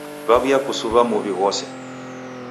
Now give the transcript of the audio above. Waw'iakusuw'a muw'i ghose.